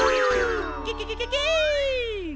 ケケケケケ！